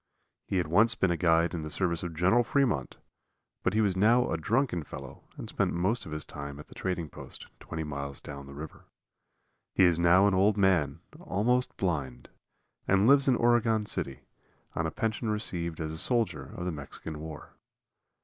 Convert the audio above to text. He had once been a guide in the service of General Fremont, but he was now a drunken fellow and spent most of his time at the trading post, twenty miles down the river. He is now an old man, almost blind, and lives in Oregon City, on a pension received as a soldier of the Mexican war.